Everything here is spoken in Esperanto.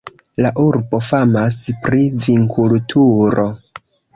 La urbo famas pri vinkulturo.